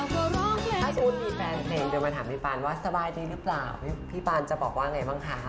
ถ้าคุณมีแฟนเพลงเดินมาถามพี่ปานว่าสบายดีหรือเปล่าพี่ปานจะบอกว่าไงบ้างคะ